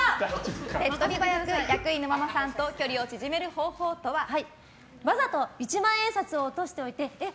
手っ取り早く役員のママさんとわざと一万円札を落としておいてえっ？